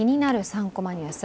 ３コマニュース」